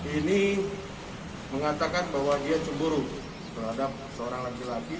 ini mengatakan bahwa dia cemburuk terhadap seorang laki laki